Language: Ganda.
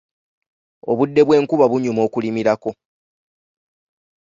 Obudde bw’enkuba bunyuma okulimirako.